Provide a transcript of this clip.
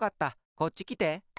こっちきて。